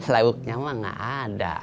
leuknya mah gak ada